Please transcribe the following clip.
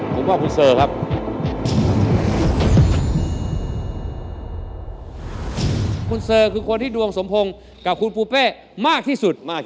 คุณเสอคือคนที่ดวงสมพงษ์กับคุณปูเปมากที่สุด